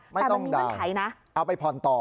ไม่ต้องดาวน์เอาไปผ่อนต่อ